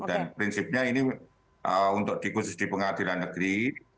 dan prinsipnya ini untuk dikhusus di pengadilan negeri